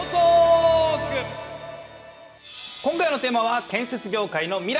今回のテーマは建設業界の未来。